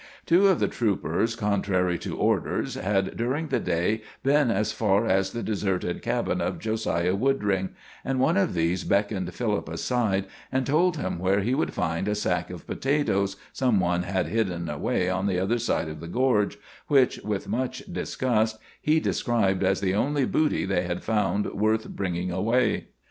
Two of the troopers, contrary to orders, had during the day been as far as the deserted cabin of Josiah Woodring, and one of these beckoned Philip aside and told him where he would find a sack of potatoes some one had hidden away on the other side of the gorge, which, with much disgust, he described as the only booty they had found worth bringing away.